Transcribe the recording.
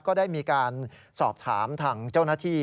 ก็ได้มีการสอบถามทางเจ้าหน้าที่